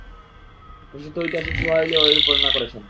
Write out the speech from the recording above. প্রসিদ্ধ ঐতিহাসিক সুহায়লীও এরূপ বর্ণনা করেছেন।